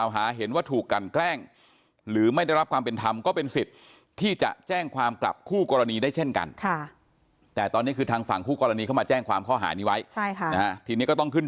หาเห็นว่าถูกกันแกล้งหรือไม่ได้รับความเป็นธรรมก็เป็นสิทธิ์ที่จะแจ้งความกลับคู่กรณีได้เช่นกันแต่ตอนนี้คือทางฝั่งคู่กรณีเข้ามาแจ้งความข้อหานี้ไว้ทีนี้ก็ต้องขึ้น